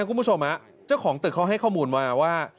คุณผู้ชมเจ้าของตึกเขาให้ข้อมูลมาว่า